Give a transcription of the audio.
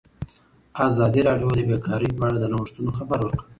ازادي راډیو د بیکاري په اړه د نوښتونو خبر ورکړی.